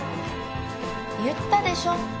言ったでしょ？